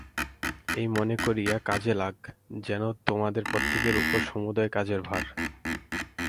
এই মনে করিয়া কাজে লাগ, যেন তোমাদের প্রত্যেকের উপর সমুদয় কাজের ভার।